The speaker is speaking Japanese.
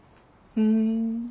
ふん。